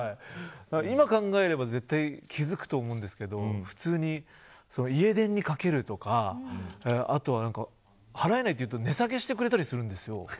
今考えれば絶対気付くと思うんですけど家電にかけるとかあとは払えないと言うと値下げしてくれたりするんです。